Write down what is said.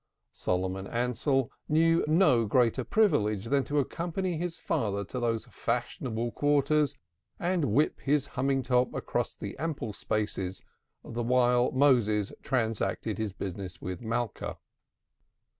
Solomon Ansell knew no greater privilege than to accompany his father to these fashionable quarters and whip his humming top across the ample spaces, the while Moses transacted his business with Malka.